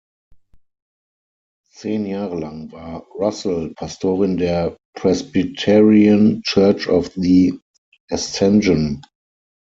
Zehn Jahre lang war Russell Pastorin der Presbyterian Church of the Ascension.